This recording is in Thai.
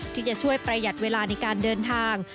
ที่จะช่วยประหยัดเวลาในการเดินทาง